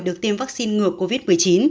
được tiêm vắc xin ngừa covid một mươi chín